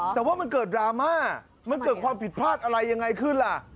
แต่ว่ามันเกิดดราม่ามันเกิดความผิดพลาดอะไรยังไงขึ้นล่ะ